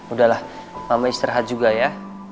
udahlah mama istirahat juga ya